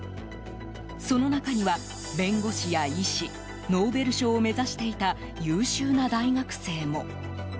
その中には、弁護士や医師ノーベル賞を目指していた優秀な大学生も。